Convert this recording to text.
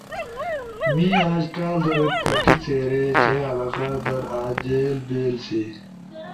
می أج ٹال در کٹئ څیرے، ڇھی علاقہ در أج جیل بیل سی۔